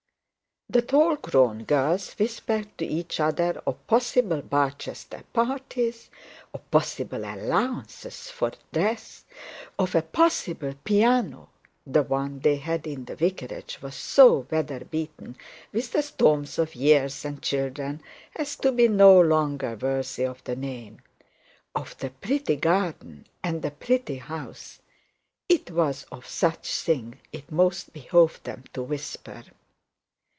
The tall grown girls whispered to each other of possible Barchester parties, of possible allowances for dresses, of a possible piano the one they had in the vicarage was so weather beaten with storms of years and children as to be no longer worthy of the name of the pretty garden, and the pretty house. 'Twas of such things it most behoved them to whisper.